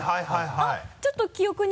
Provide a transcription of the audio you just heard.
あっちょっと記憶に。